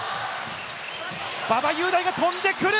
馬場雄大が飛んでくる。